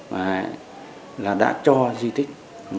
và là đã cho di tích